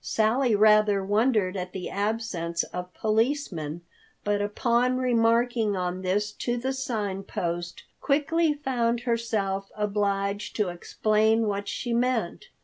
Sally rather wondered at the absence of policemen, but upon remarking on this to the Sign Post, quickly found herself obliged to explain what she meant.